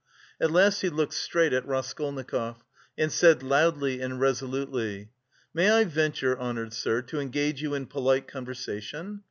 At last he looked straight at Raskolnikov, and said loudly and resolutely: "May I venture, honoured sir, to engage you in polite conversation?